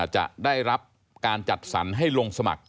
จะได้รับการจัดสรรให้ลงสมัคร